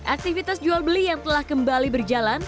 aktivitas jual beli yang telah kembali berjalan